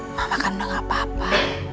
mama kan udah gak apa apa